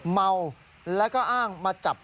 เมาและก็อ้างมาจับชาวบ้าน